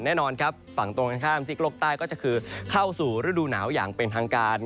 แน่นอนครับฝั่งตรงกันข้ามซีกโลกใต้ก็จะคือเข้าสู่ฤดูหนาวอย่างเป็นทางการ